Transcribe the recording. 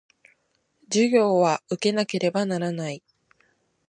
授業は受けなければならない